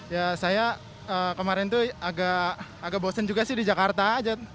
ya saya kemarin tuh agak bosen juga sih di jakarta aja